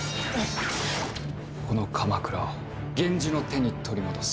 この鎌倉を源氏の手に取り戻す。